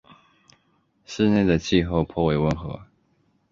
市内的气候颇为温和。